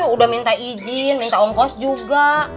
udah minta izin minta ongkos juga